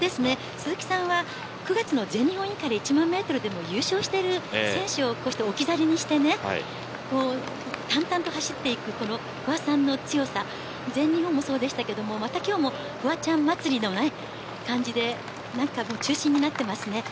鈴木さんは９月の全日本インカレ１万メートルでも優勝している、選手を置き去りにして淡々と走っていく不破さんの強さ全日本もそうでしたがまた今日も不破ちゃん祭りの感じで何か中心になっています。